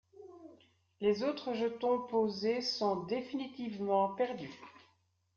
Les autres jetons posés sont définitivement perdus.